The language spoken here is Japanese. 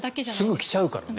すぐ来ちゃうからね。